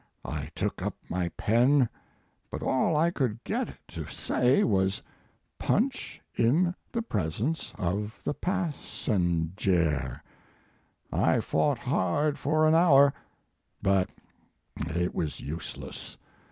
I took up my pen, but all I coulcl get it to say was, "Punch in the presence of the passenjare." I fought hard for an hour, but it was useless.